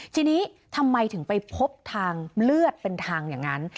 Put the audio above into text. ทีนี้ทำไมถึงไปพบทางเลือดเป็นทางอย่างนั้น